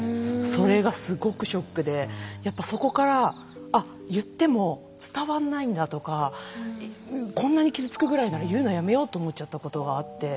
それがすごくショックでそこから言っても伝わらないんだとかこんなに傷つくぐらいなら言うのやめようって思っちゃったことがあって。